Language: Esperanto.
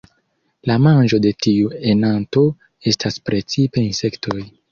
La manĝo de tiu enanto estas precipe insektoj.